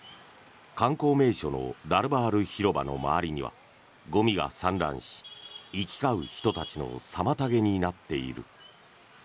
観光名所のダルバール広場の周りにはゴミが散乱し、行き交う人たちの妨げになっている。